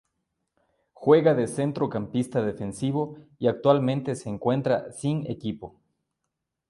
Juega de centrocampista defensivo y actualmente se encuentra sin equipo.